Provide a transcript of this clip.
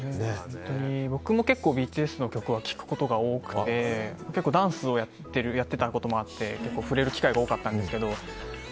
僕もＢＴＳの曲は聴くことが多くてダンスをやってたこともあって結構、触れる機会が多かったんですけど。